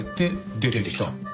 出てきた。